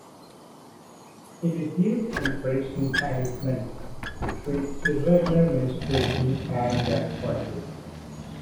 It is used in traditional Chinese medicine to treat irregular menstruation and gastritis.